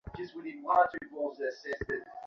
শুনতে ভালোই লাগছে।